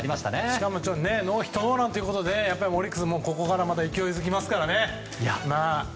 しかもノーヒットノーランということでオリックスもここからまた勢いづきますから。